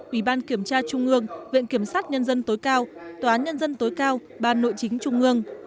ủy ban kiểm tra trung ương viện kiểm sát nhân dân tối cao tòa án nhân dân tối cao ban nội chính trung ương